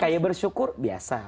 kaya bersyukur biasa